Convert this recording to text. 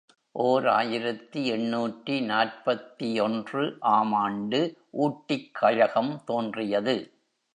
ஓர் ஆயிரத்து எண்ணூற்று நாற்பத்தொன்று ஆம் ஆண்டு ஊட்டிக் கழகம் தோன்றியது.